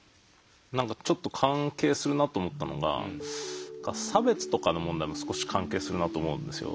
何かちょっと関係するなと思ったのが差別とかの問題も少し関係するなと思うんですよ。